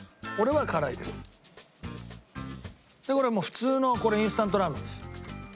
でこれはもう普通のインスタントラーメンです。